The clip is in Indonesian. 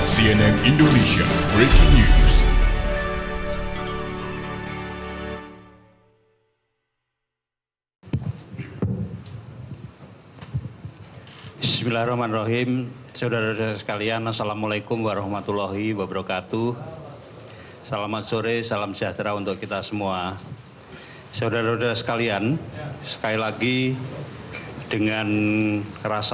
cnm indonesia breaking news